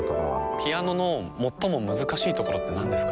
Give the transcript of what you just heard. ピアノの最も難しいところってなんですか？